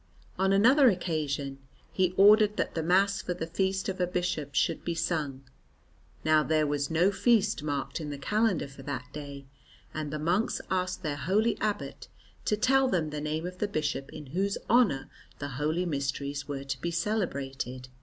On another occasion he ordered that the Mass for the feast of a bishop should be sung. Now there was no feast marked in the calendar for that day, and the monks asked their holy abbot to tell them the name of the bishop in whose honour the Holy Mysteries were to be celebrated.